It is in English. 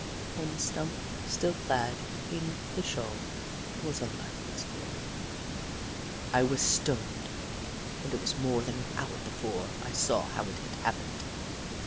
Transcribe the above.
On the stump, still clad in the shawl, was his lifeless body. I was stunned, and it was more than an hour before I saw how it had happened.